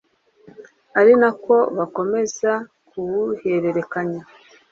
ari na ko bakomeza kubuhererekanya